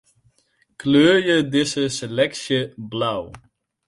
Kleurje dizze seleksje blau.